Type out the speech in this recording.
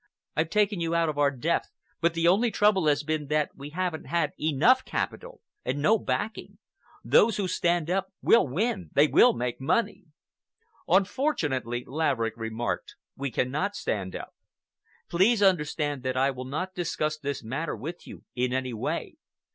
I've taken you out of our depth, but the only trouble has been that we haven't had enough capital, and no backing. Those who stand up will win. They will make money." "Unfortunately," Laverick remarked, "we cannot stand up. Please understand that I will not discuss this matter with you in any way.